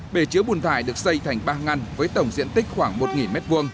bể chứa bùn thải được xây thành ba ngăn với tổng diện tích khoảng một m hai